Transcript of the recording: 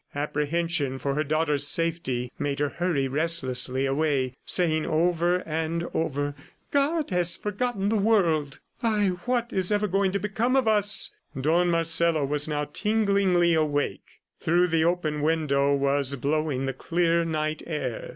Apprehension for her daughter's safety made her hurry restlessly away, saying over and over: "God has forgotten the world. ... Ay, what is ever going to become of us!" Don Marcelo was now tinglingly awake. Through the open window was blowing the clear night air.